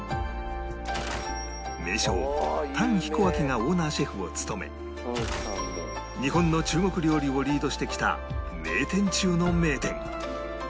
名匠譚彦彬がオーナーシェフを務め日本の中国料理をリードしてきた名店中の名店